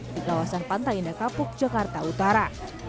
di kawasan pantai indah kapuk jakarta utara